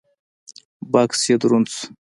بکس يې دروند شو.